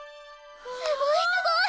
すごいすごい！